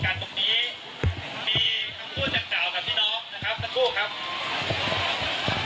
มีคำพูดจากกล่าวกับพี่น้องนะครับทั้งคู่ครับ